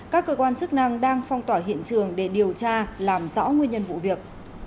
các cơ quan chức năng đang phong tỏa hiện trường để điều tra làm rõ nguyên nhân vụ việc